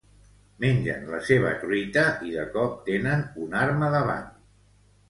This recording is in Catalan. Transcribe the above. Mengen la seva truita i de cop tenen una arma davant.